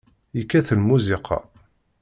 Yekkat lmusiqa.